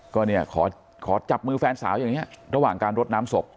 ก็เนี่ยขอจับมือแฟนสาวอย่างนี้ระหว่างการรดน้ำศพ